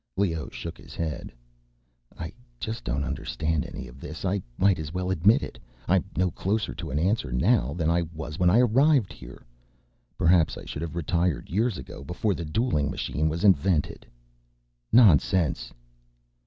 Leoh shook his head. "I just don't understand any of this. I might as well admit it. I'm no closer to an answer now than I was when I arrived here. Perhaps I should have retired years ago, before the dueling machine was invented." "Nonsense."